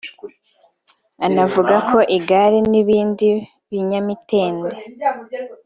Anavuga ko igare n’ibindi binyamitende